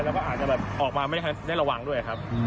แล้วก็อาจจะแบบออกมาไม่ได้ระวังด้วยครับ